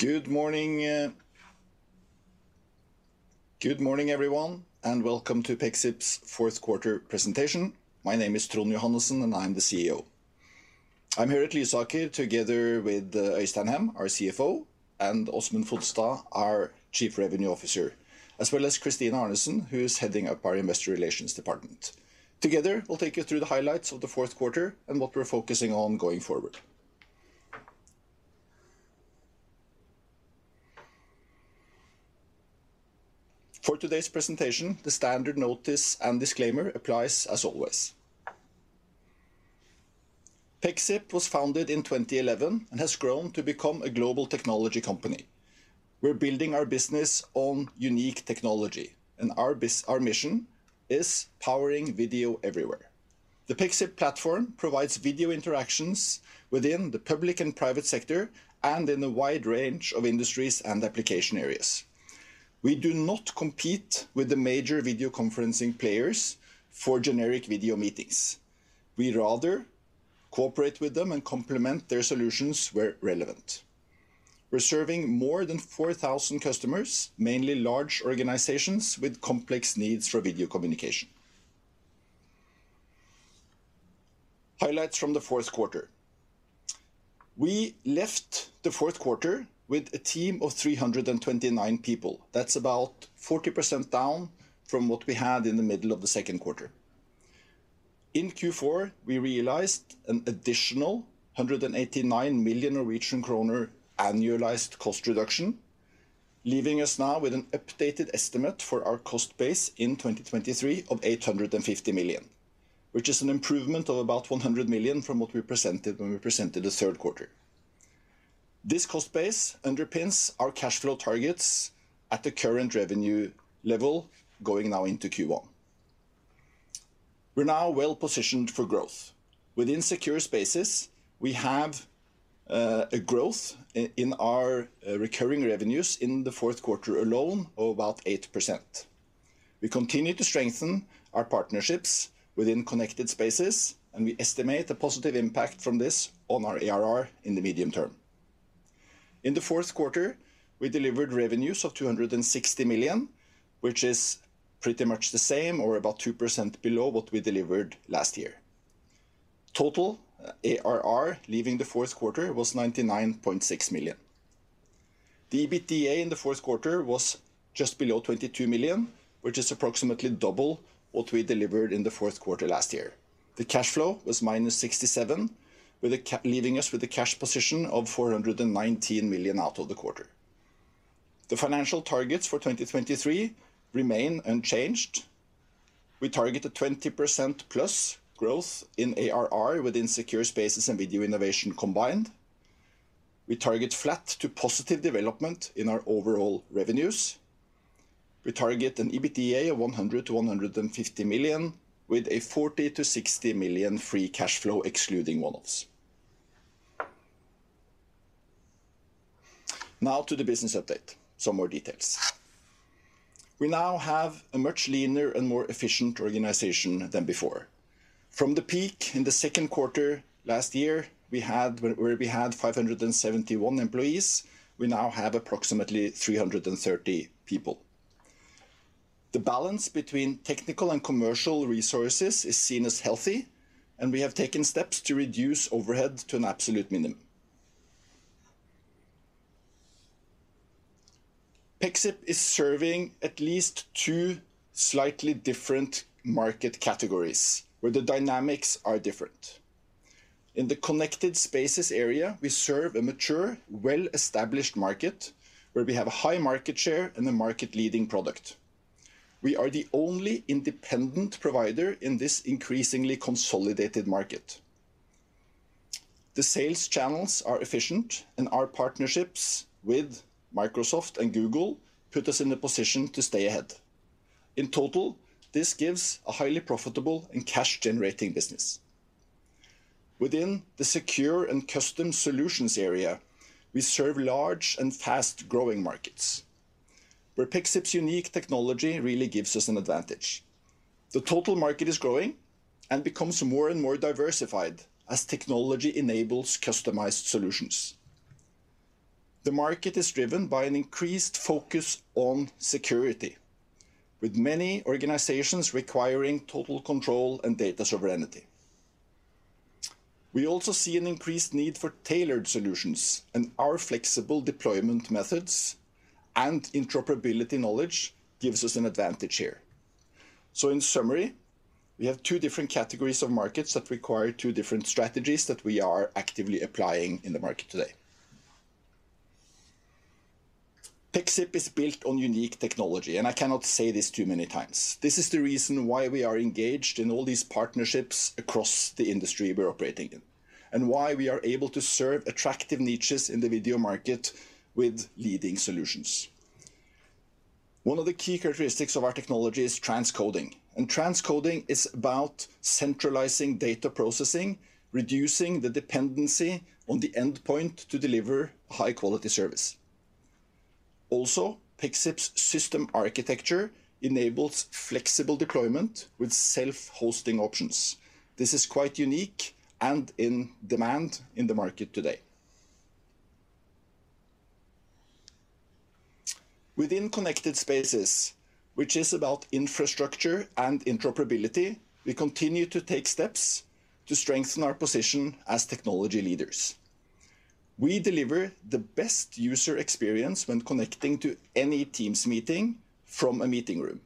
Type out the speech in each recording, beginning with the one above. Good morning, Good morning, everyone, and welcome to Pexip's Q4 presentation. My name is Trond Johannessen, and I'm the CEO. I'm here at Lysaker together with Øystein Hem, our CFO, and Åsmund Fodstad, our Chief Revenue Officer, as well as Kristine Arnesen, who is heading up our Investor Relations department. Together, we'll take you through the highlights of the Q4 and what we're focusing on going forward. For today's presentation, the standard notice and disclaimer applies as always. Pexip was founded in 2011 and has grown to become a global technology company. We're building our business on unique technology, and our mission is powering video everywhere. The Pexip platform provides video interactions within the public and private sector and in a wide range of industries and application areas. We do not compete with the major video conferencing players for generic video meetings. We rather cooperate with them and complement their solutions where relevant. We're serving more than 4,000 customers, mainly large organizations with complex needs for video communication. Highlights from the Q4. We left the Q4 with a team of 329 people. That's about 40% down from what we had in the middle of the Q2. In Q4, we realized an additional 189 million Norwegian kroner annualized cost reduction, leaving us now with an updated estimate for our cost base in 2023 of 850 million, which is an improvement of about 100 million from what we presented when we presented the Q3. This cost base underpins our cash flow targets at the current revenue level going now into Q1. We're now well-positioned for growth. Within Secure Spaces, we have a growth in our recurring revenues in the Q4 alone of about 8%. We continue to strengthen our partnerships within Connected Spaces, we estimate a positive impact from this on our ARR in the medium term. In the Q4, we delivered revenues of 260 million, which is pretty much the same or about 2% below what we delivered last year. Total ARR leaving the Q4 was 99.6 million. The EBITDA in the Q4was just below 22 million, which is approximately double what we delivered in the Q4 last year. The cash flow was -67, leaving us with a cash position of 419 million out of the quarter. The financial targets for 2023 remain unchanged. We target a 20% plus growth in ARR within Secure Spaces and Video Innovation combined. We target flat to positive development in our overall revenues. We target an EBITDA of 100 million-150 million with a 40 million-60 million free cash flow excluding one-offs. To the business update, some more details. We now have a much leaner and more efficient organization than before. From the peak in the Q2 ast year, we had 571 employees, we now have approximately 330 people. The balance between technical and commercial resources is seen as healthy, and we have taken steps to reduce overhead to an absolute minimum. Pexip is serving at least two slightly different market categories where the dynamics are different. In the Connected Spaces area, we serve a mature, well-established market where we have a high market share and a market-leading product. We are the only independent provider in this increasingly consolidated market. The sales channels are efficient, and our partnerships with Microsoft and Google put us in a position to stay ahead. In total, this gives a highly profitable and cash-generating business. Within the secure and custom solutions area, we serve large and fast-growing markets where Pexip's unique technology really gives us an advantage. The total market is growing and becomes more and more diversified as technology enables customized solutions. The market is driven by an increased focus on security, with many organizations requiring total control and data sovereignty. We also see an increased need for tailored solutions, and our flexible deployment methods and interoperability knowledge gives us an advantage here. In summary, we have two different categories of markets that require two different strategies that we are actively applying in the market today. Pexip is built on unique technology, and I cannot say this too many times. This is the reason why we are engaged in all these partnerships across the industry we're operating in and why we are able to serve attractive niches in the video market with leading solutions. One of the key characteristics of our technology is transcoding, and transcoding is about centralizing data processing, reducing the dependency on the endpoint to deliver high-quality service. Also, Pexip's system architecture enables flexible deployment with self-hosting options. This is quite unique and in demand in the market today. Within Connected Spaces, which is about infrastructure and interoperability, we continue to take steps to strengthen our position as technology leaders. We deliver the best user experience when connecting to any Teams meeting from a meeting room.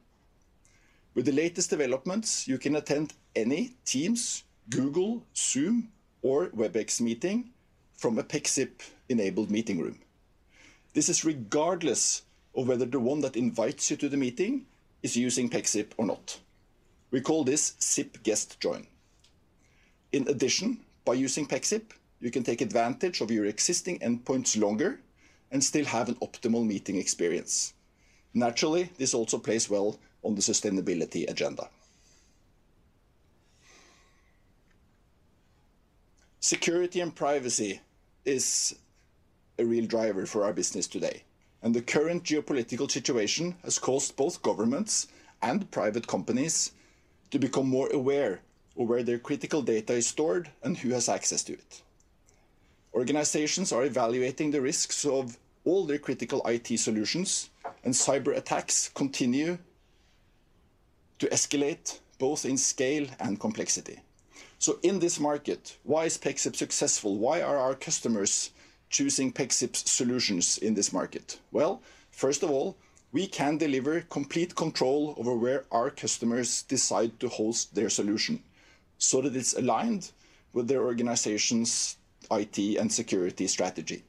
With the latest developments, you can attend any Teams, Google, Zoom, or Webex meeting from a Pexip-enabled meeting room. This is regardless of whether the one that invites you to the meeting is using Pexip or not. We call this SIP Guest Join. In addition, by using Pexip, you can take advantage of your existing endpoints longer and still have an optimal meeting experience. Naturally, this also plays well on the sustainability agenda. Security and privacy is a real driver for our business today, and the current geopolitical situation has caused both governments and private companies to become more aware of where their critical data is stored and who has access to it. Organizations are evaluating the risks of all their critical IT solutions, and cyberattacks continue to escalate both in scale and complexity. In this market, why is Pexip successful? Why are our customers choosing Pexip solutions in this market? First of all, we can deliver complete control over where our customers decide to host their solution, so that it's aligned with their organization's IT and security strategy.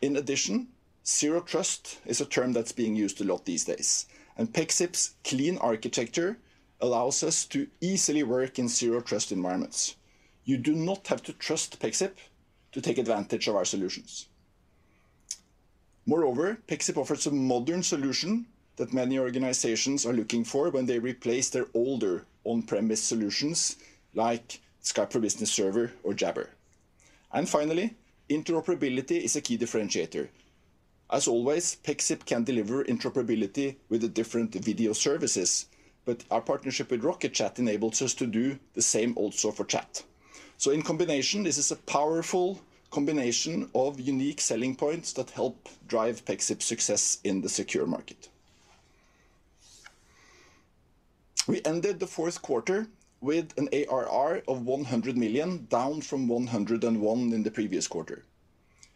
In addition, zero trust is a term that's being used a lot these days, and Pexip's clean architecture allows us to easily work in zero trust environments. You do not have to trust Pexip to take advantage of our solutions. Moreover, Pexip offers a modern solution that many organizations are looking for when they replace their older on-premise solutions like Skype for Business server or Jabber. Finally, interoperability is a key differentiator. As always, Pexip can deliver interoperability with the different video services, but our partnership with Rocket.Chat enables us to do the same also for chat. In combination, this is a powerful combination of unique selling points that help drive Pexip's success in the secure market. We ended the Q4 with an ARR of 100 million, down from 101 million in the previous quarter.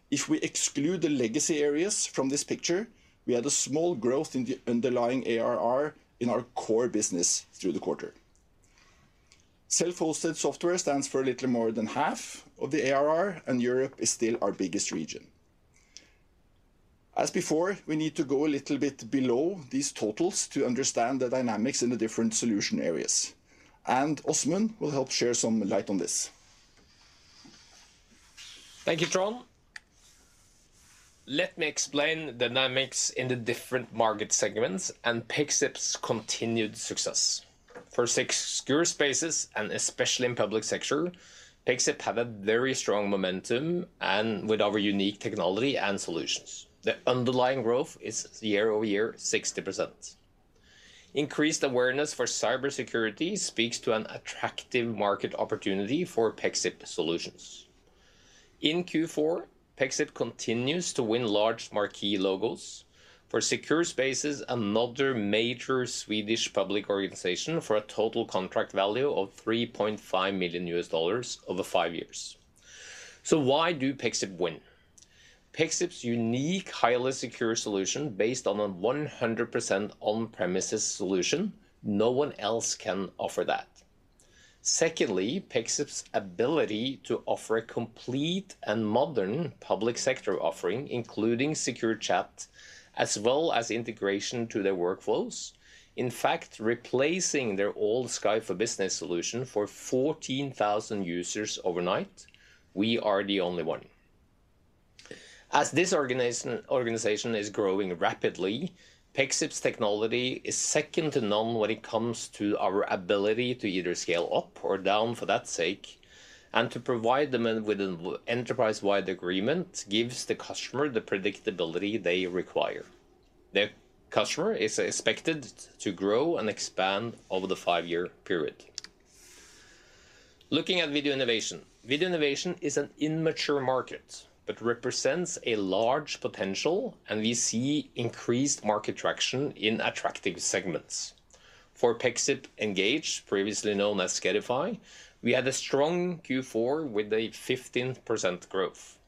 If we exclude the legacy areas from this picture, we had a small growth in the underlying ARR in our core business through the quarter. Self-hosted software stands for a little more than half of the ARR, and Europe is still our biggest region. Before, we need to go a little bit below these totals to understand the dynamics in the different solution areas, and Åsmund will help share some light on this. Thank you, Trond. Let me explain dynamics in the different market segments and Pexip's continued success. For Secure Spaces and especially in public sector, Pexip have a very strong momentum and with our unique technology and solutions. The underlying growth is year-over-year 60%. Increased awareness for cybersecurity speaks to an attractive market opportunity for Pexip solutions. In Q4, Pexip continues to win large marquee logos. For Secure Spaces, another major Swedish public organization for a total contract value of $3.5 million over 5 years. Why do Pexip win? Pexip's unique, highly secure solution based on a 100% on-premises solution, no one else can offer that. Secondly, Pexip's ability to offer a complete and modern public sector offering, including secure chat as well as integration to their workflows. In fact, replacing their old Skype for Business solution for 14,000 users overnight, we are the only one. As this organization is growing rapidly, Pexip's technology is second to none when it comes to our ability to either scale up or down for that sake. To provide them with an enterprise-wide agreement gives the customer the predictability they require. The customer is expected to grow and expand over the 5-year period. Looking at Video Innovation. Video Innovation is an immature market but represents a large potential, and we see increased market traction in attractive segments. For Pexip Engage, previously known as Skedify, we had a strong Q4 with a 15% growth.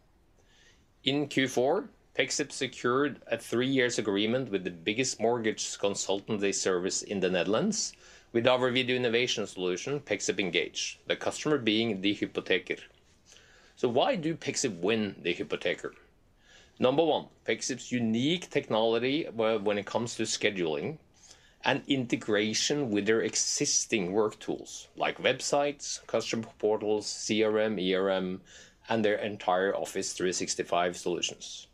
In Q4, Pexip secured a 3-year agreement with the biggest mortgage consultant they service in the Netherlands with our Video Innovation solution, Pexip Engage, the customer being De Hypotheker. Why do Pexip win De Hypotheker? Number one, Pexip's unique technology when it comes to scheduling and integration with their existing work tools like websites, customer portals, CRM, ERP, and their entire Office 365 solutions.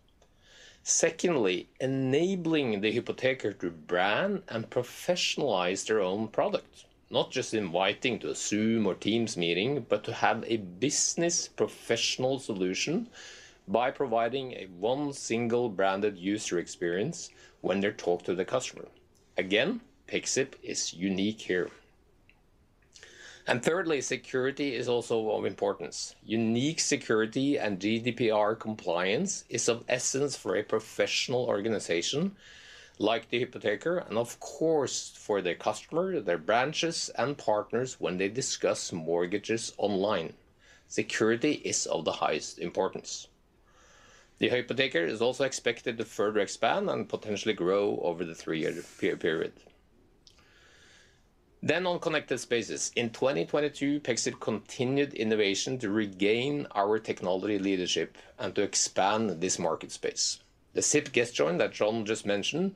Secondly, enabling De Hypotheker to brand and professionalize their own product, not just inviting to a Zoom or Teams meeting, but to have a business professional solution by providing a 1 single branded user experience when they talk to the customer. Again, Pexip is unique here. Thirdly, security is also of importance. Unique security and GDPR compliance is of essence for a professional organization like De Hypotheker, and of course for their customer, their branches and partners when they discuss mortgages online. Security is of the highest importance. De Hypotheker is also expected to further expand and potentially grow over the 3-year period. On Connected Spaces. In 2022, Pexip continued innovation to regain our technology leadership and to expand this market space. The SIP Guest Join that Trond just mentioned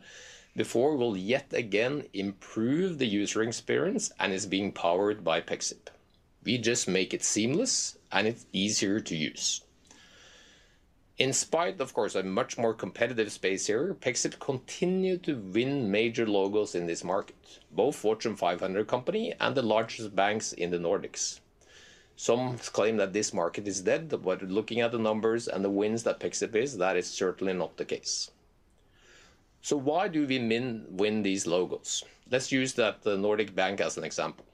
before will yet again improve the user experience and is being powered by Pexip. We just make it seamless, and it's easier to use. In spite, of course, a much more competitive space here, Pexip continued to win major logos in this market, both Fortune 500 company and the largest banks in the Nordics. Some claim that this market is dead. Looking at the numbers and the wins that Pexip is, that is certainly not the case. Why do we win these logos? Let's use that, the Nordic Bank as an example.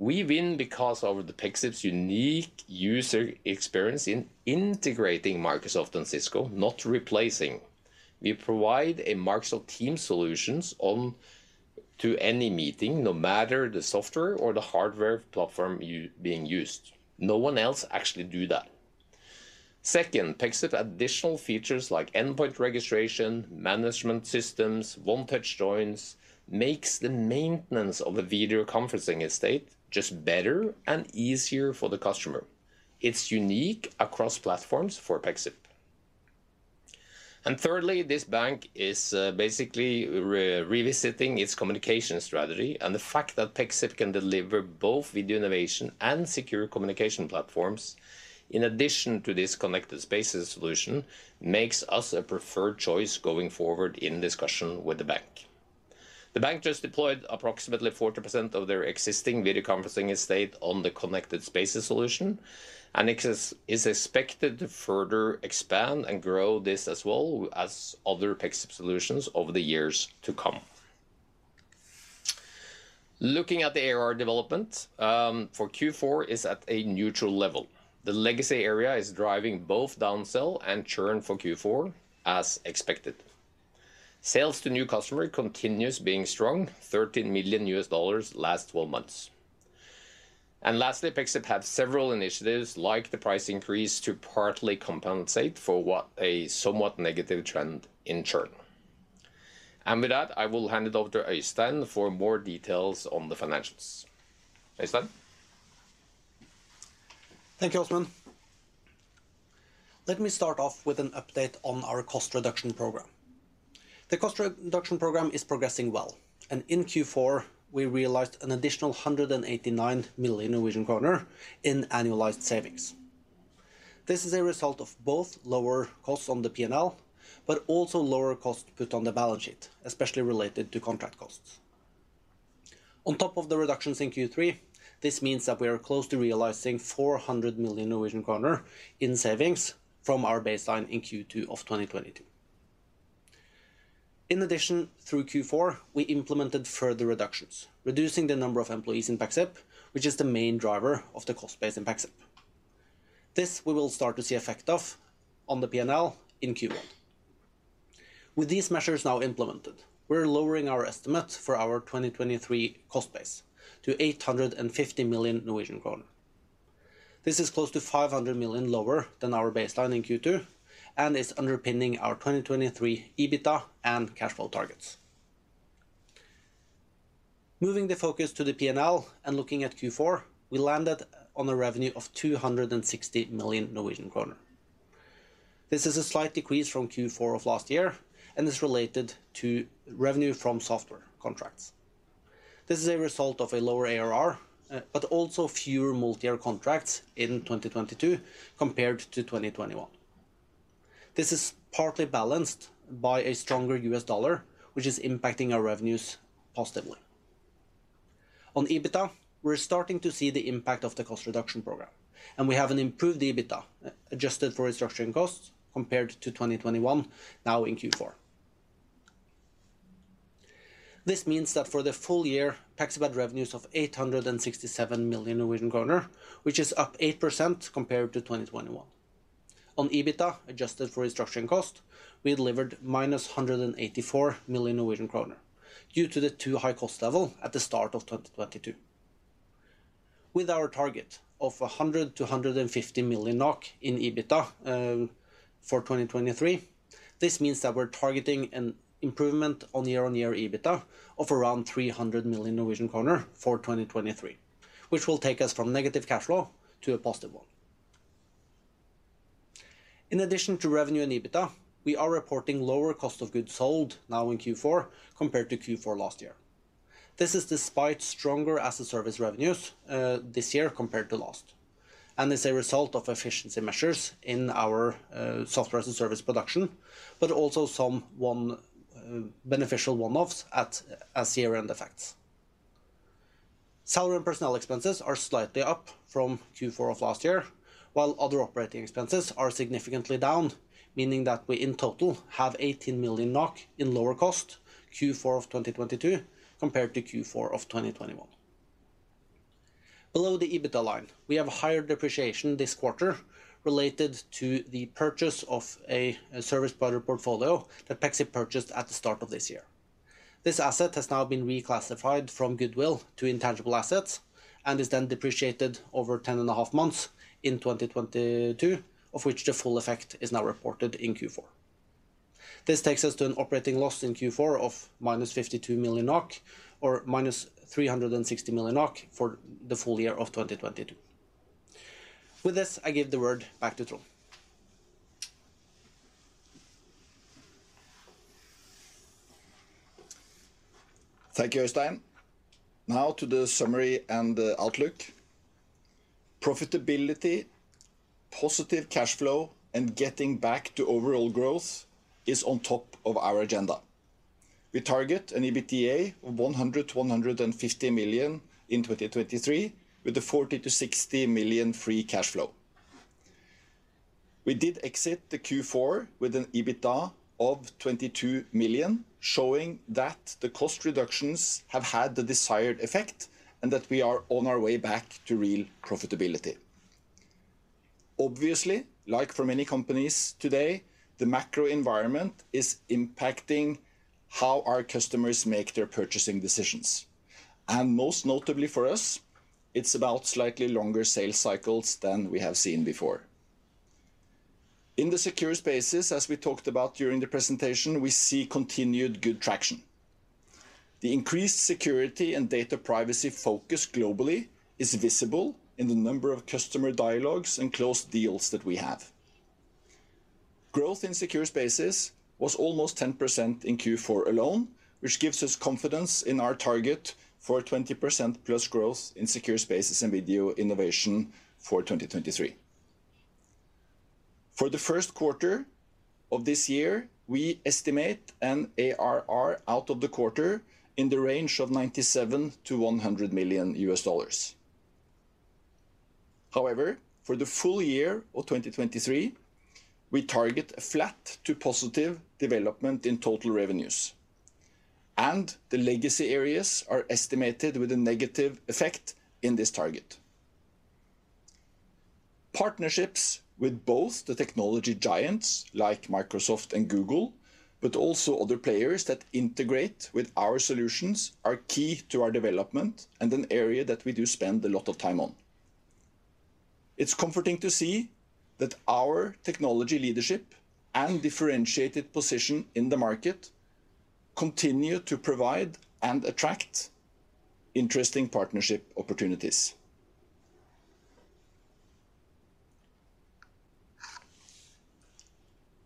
We win because of the Pexip's unique user experience in integrating Microsoft and Cisco, not replacing. We provide a Microsoft Teams solutions on to any meeting, no matter the software or the hardware platform being used. No one else actually do that. Second, Pexip additional features like endpoint registration, management systems, One-Touch Joins, makes the maintenance of a video conferencing estate just better and easier for the customer. It's unique across platforms for Pexip. Thirdly, this bank is basically revisiting its communication strategy and the fact that Pexip can deliver both Video Innovation and secure communication platforms, in addition to this Connected Spaces solution, makes us a preferred choice going forward in discussion with the bank. The bank just deployed approximately 40% of their existing video conferencing estate on the Connected Spaces solution, and it is expected to further expand and grow this as well as other Pexip solutions over the years to come. Looking at the ARR development, for Q4 is at a neutral level. The legacy area is driving both downsell and churn for Q4 as expected. Sales to new customer continues being strong, $13 million last 12 months. Lastly, Pexip had several initiatives like the price increase to partly compensate for what a somewhat negative trend in churn. With that, I will hand it over to Øystein for more details on the financials. Øystein? Thank you, Åsmund. Let me start off with an update on our cost reduction program. The cost reduction program is progressing well, and in Q4, we realized an additional 189 million Norwegian kroner in annualized savings. This is a result of both lower costs on the P&L, but also lower costs put on the balance sheet, especially related to contract costs. On top of the reductions in Q3, this means that we are close to realizing 400 million Norwegian kroner in savings from our baseline in Q2 of 2022. Through Q4, we implemented further reductions, reducing the number of employees in Pexip, which is the main driver of the cost base in Pexip. This we will start to see effect of on the P&L in Q1. With these measures now implemented, we're lowering our estimate for our 2023 cost base to 850 million Norwegian kroner. This is close to 500 million lower than our baseline in Q2 and is underpinning our 2023 EBITDA and cash flow targets. Moving the focus to the P&L and looking at Q4, we landed on a revenue of 260 million Norwegian kroner. This is a slight decrease from Q4 of last year and is related to revenue from software contracts. This is a result of a lower ARR, but also fewer multi-year contracts in 2022 compared to 2021. This is partly balanced by a stronger US dollar, which is impacting our revenues positively. On EBITDA, we're starting to see the impact of the cost reduction program, we have an improved EBITDA, adjusted for restructuring costs compared to 2021 now in Q4. This means that for the full year, Pexip had revenues of 867 million Norwegian kroner, which is up 8% compared to 2021. On EBITDA, adjusted for restructuring cost, we delivered -184 million Norwegian kroner due to the too high cost level at the start of 2022. With our target of 100-150 million NOK in EBITDA for 2023, this means that we're targeting an improvement on year-on-year EBITDA of around 300 million Norwegian kroner for 2023, which will take us from negative cash flow to a positive one. In addition to revenue and EBITDA, we are reporting lower cost of goods sold now in Q4 compared to Q4 last year. This is despite stronger asset service revenues this year compared to last, and is a result of efficiency measures in our software as a service production, but also some beneficial one-offs at year-end effects. Salary and personnel expenses are slightly up from Q4 of last year, while other operating expenses are significantly down, meaning that we in total have 18 million NOK in lower cost Q4 of 2022 compared to Q4 of 2021. Below the EBITDA line, we have higher depreciation this quarter related to the purchase of a service product portfolio that Pexip purchased at the start of this year. This asset has now been reclassified from goodwill to intangible assets, and is then depreciated over 10 and a half months in 2022, of which the full effect is now reported in Q4. This takes us to an operating loss in Q4 of minus 52 million NOK or minus 360 million NOK for the full year of 2022. With this, I give the word back to Trond. Thank you, Øystein. Now to the summary and the outlook. Profitability, positive cash flow, and getting back to overall growth is on top of our agenda. We target an EBITDA of 100 million-150 million in 2023, with a 40 million-60 million free cash flow. We did exit the Q4 with an EBITDA of 22 million, showing that the cost reductions have had the desired effect and that we are on our way back to real profitability. Obviously, like for many companies today, the macro environment is impacting how our customers make their purchasing decisions. Most notably for us, it's about slightly longer sales cycles than we have seen before. In the Secure Spaces, as we talked about during the presentation, we see continued good traction. The increased security and data privacy focus globally is visible in the number of customer dialogues and closed deals that we have. Growth in Secure Spaces was almost 10% in Q4 alone, which gives us confidence in our target for 20%+ growth in Secure Spaces and Video Innovation for 2023. For the Q1 of this year, we estimate an ARR out of the quarter in the range of $97 million-$100 million. However, for the full year of 2023, we target a flat to positive development in total revenues, and the legacy areas are estimated with a negative effect in this target. Partnerships with both the technology giants like Microsoft and Google, but also other players that integrate with our solutions, are key to our development and an area that we do spend a lot of time on. It's comforting to see that our technology leadership and differentiated position in the market continue to provide and attract interesting partnership opportunities.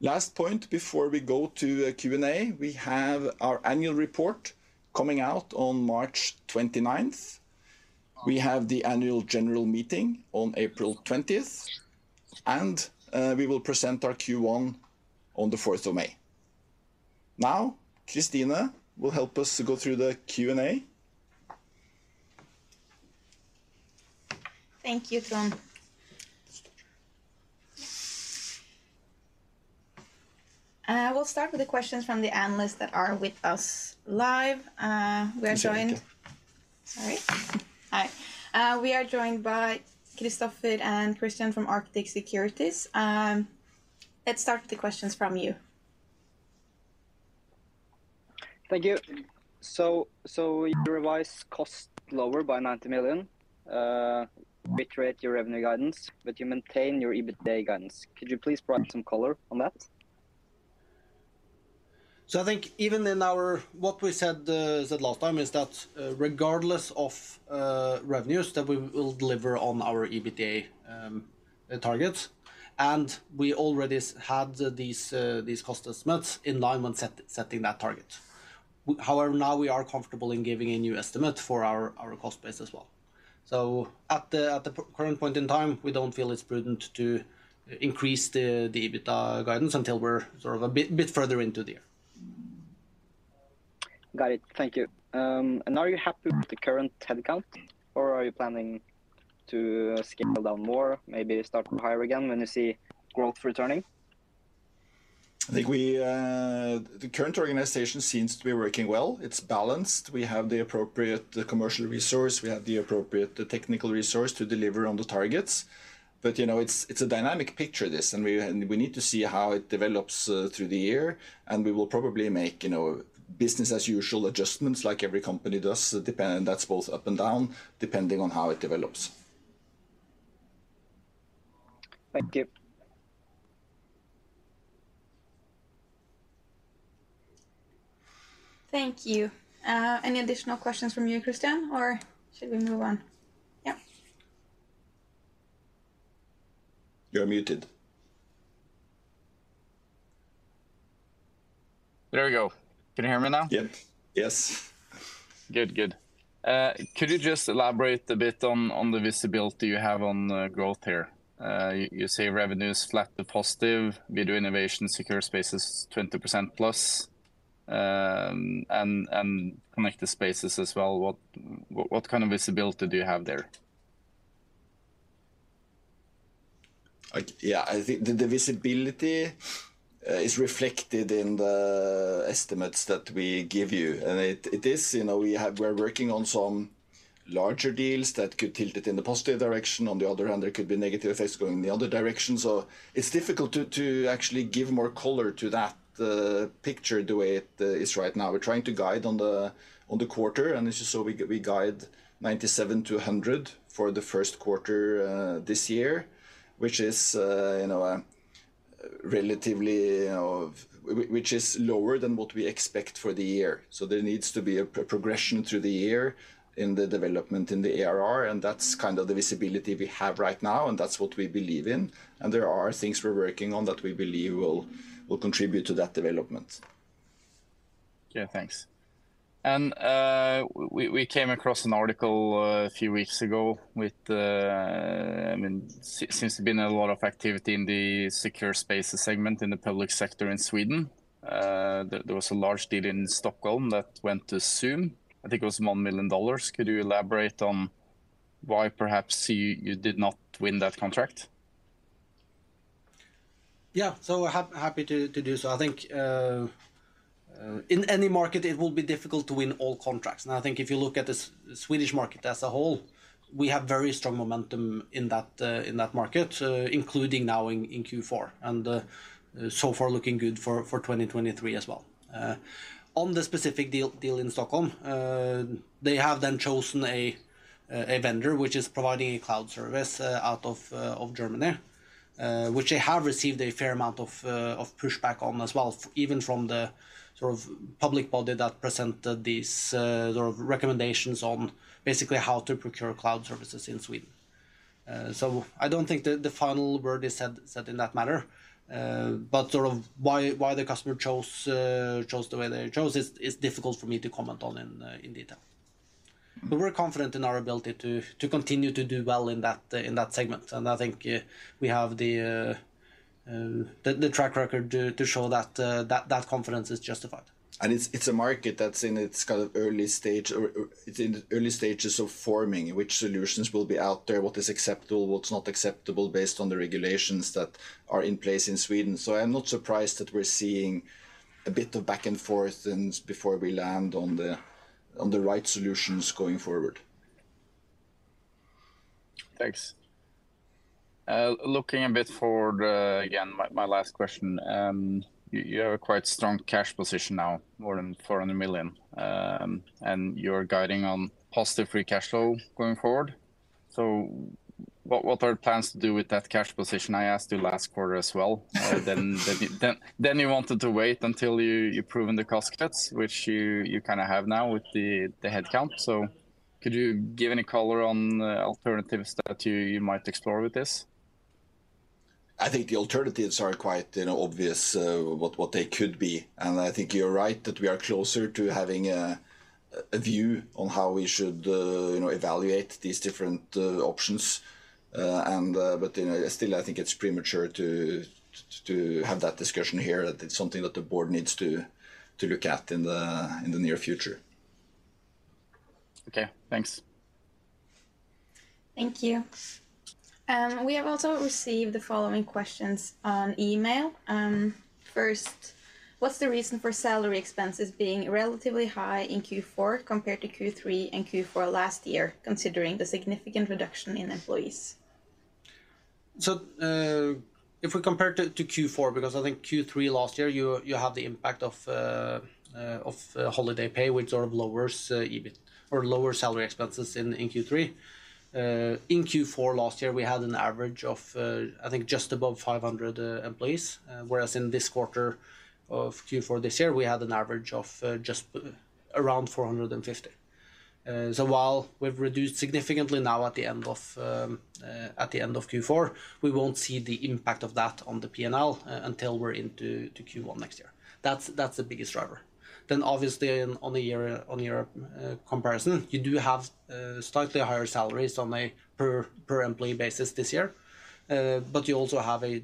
Last point before we go to Q&A, we have our annual report coming out on March 29th. We have the annual general meeting on April 20th, and we will present our Q1 on the 4th of May. Now, Kristine will help us go through the Q&A. Thank you, Trond. We'll start with the questions from the analysts that are with us live. Kristoffer Vikør. Sorry. Hi. We are joined by Kristoffer and Christian from Arctic Securities. Let's start with the questions from you. Thank you. You revise cost lower by 90 million, reiterate your revenue guidance, but you maintain your EBITDA guidance. Could you please provide some color on that? I think even in our what we said last time is that, regardless of revenues, that we will deliver on our EBITDA targets, and we already had these cost estimates in line when setting that target. However, now we are comfortable in giving a new estimate for our cost base as well. At the current point in time, we don't feel it's prudent to increase the EBITDA guidance until we're sort of a bit further into the year. Got it. Thank you. Are you happy with the current head count, or are you planning to scale down more, maybe start from higher again when you see growth returning? I think we. The current organization seems to be working well. It's balanced. We have the appropriate commercial resource, we have the appropriate technical resource to deliver on the targets. You know, it's a dynamic picture, this, and we need to see how it develops through the year, and we will probably make, business as usual adjustments like every company does, and that's both up and down, depending on how it develops. Thank you. Thank you. Any additional questions from you, Christian, or should we move on? You're muted. There we go. Can you hear me now? Yep. Yes. Good. Could you just elaborate a bit on the visibility you have on growth here? You say revenue is flat to positive. Video Innovation, Secure Spaces is 20% plus. Connected Spaces as well, what kind of visibility do you have there? Yeah, I think the visibility is reflected in the estimates that we give you. It is, we're working on some larger deals that could tilt it in the positive direction. On the other hand, there could be negative effects going in the other direction. It's difficult to actually give more color to that picture the way it is right now. We're trying to guide on the quarter, and this is so we guide 97 million-100 million for the Q1 this year, which is, relatively which is lower than what we expect for the year. There needs to be a progression through the year in the development in the ARR, and that's kind of the visibility we have right now, and that's what we believe in. there are things we're working on that we believe will contribute to that development. Yeah, thanks. we came across an article a few weeks ago. I mean, since there's been a lot of activity in the Secure Spaces segment in the public sector in Sweden, there was a large deal in Stockholm that went to Zoom. I think it was $1 million. Could you elaborate on why perhaps you did not win that contract? Yeah. Happy to do so. I think in any market it will be difficult to win all contracts. I think if you look at the Swedish market as a whole, we have very strong momentum in that market, including now in Q4. So far looking good for 2023 as well. On the specific deal in Stockholm, they have then chosen a vendor which is providing a cloud service out of Germany, which they have received a fair amount of push back on as well, even from the sort of public body that presented these sort of recommendations on basically how to procure cloud services in Sweden. So I don't think the final word is said in that matter. Sort of why the customer chose the way they chose is difficult for me to comment on in detail. We're confident in our ability to continue to do well in that segment, and I think, we have the track record to show that confidence is justified. It's a market that's in its kind of early stage or it's in the early stages of forming which solutions will be out there, what is acceptable, what's not acceptable based on the regulations that are in place in Sweden. I'm not surprised that we're seeing a bit of back and forth before we land on the right solutions going forward. Thanks. Looking a bit forward, again, my last question. You have a quite strong cash position now, more than 400 million. You're guiding on positive free cash flow going forward. What are plans to do with that cash position? I asked you last quarter as well. You wanted to wait until you've proven the cost cuts, which you kinda have now with the headcount. Could you give any color on the alternatives that you might explore with this? I think the alternatives are quite, obvious, what they could be. I think you're right that we are closer to having a view on how we should, evaluate these different options. You know, still I think it's premature to have that discussion here. It's something that the board needs to look at in the near future. Okay. Thanks. Thank you. We have also received the following questions on email. First: What's the reason for salary expenses being relatively high in Q4 compared to Q3 and Q4 last year, considering the significant reduction in employees? If we compare to Q4, because I think Q3 last year you have the impact of holiday pay, which sort of lowers EBIT or lower salary expenses in Q3. In Q4 last year, we had an average of, I think just above 500 employees. Whereas in this quarter of Q4 this year, we had an average of just around 450. While we've reduced significantly now at the end of, at the end of Q4, we won't see the impact of that on the P&L until we're into Q1 next year. That's the biggest driver. Obviously on a year-on-year comparison, you do have slightly higher salaries on a per employee basis this year. You also have a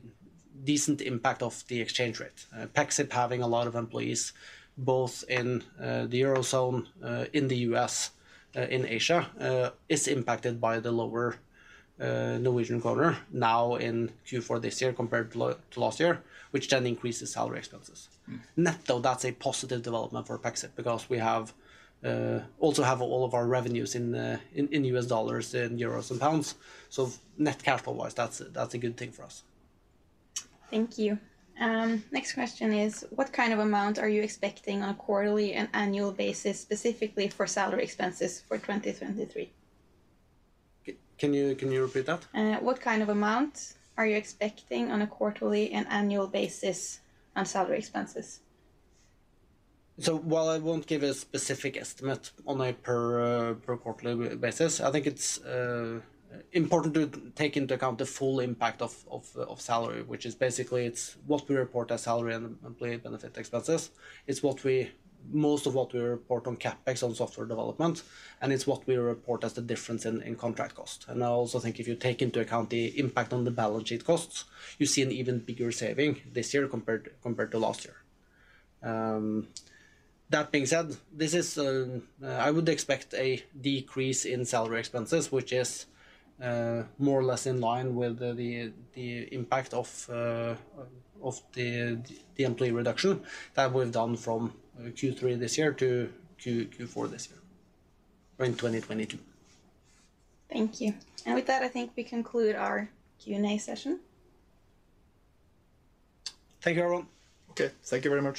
decent impact of the exchange rate. Pexip having a lot of employees both in the Eurozone, in the US, in Asia, is impacted by the lower Norwegian kroner now in Q4 this year compared to last year, which then increases salary expenses. Net though, that's a positive development for Pexip because we also have all of our revenues in US dollars and euros and pounds. Net capital-wise that's a good thing for us. Thank you. Next question is: What kind of amount are you expecting on a quarterly and annual basis specifically for salary expenses for 2023? Can you repeat that? What kind of amount are you expecting on a quarterly and annual basis on salary expenses? While I won't give a specific estimate on a per quarterly basis, I think it's important to take into account the full impact of salary, which is basically it's what we report as salary and employee benefit expenses. Most of what we report on CapEx on software development, and it's what we report as the difference in contract cost. I also think if you take into account the impact on the balance sheet costs, you see an even bigger saving this year compared to last year. That being said, this is, I would expect a decrease in salary expenses, which is more or less in line with the impact of the employee reduction that we've done from Q3 this year to Q4 this year, or in 2022. Thank you. With that, I think we conclude our Q&A session. Thank you, everyone. Okay. Thank you very much